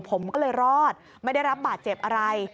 ผมก็เลยรอดไม่ได้รับบาดเจ็บอะไร